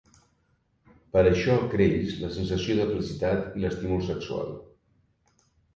Per això, creix la sensació de felicitat i l'estímul sexual.